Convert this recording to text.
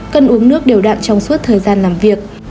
cân uống nước đều đặn trong suốt thời gian làm việc